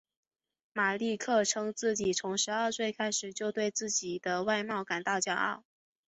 马利克称自己从十二岁开始就对自己的外貌感到骄傲。